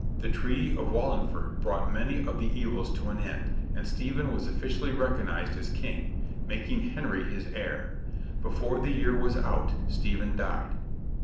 ] In 1154 the Treaty of Wallingford brought many of the evils to an end, and Stephen was officially recognised as King, making Henry his heir. Before the year was out Stephen died.